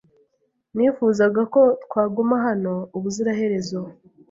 Nifuzaga ko twaguma hano ubuziraherezo.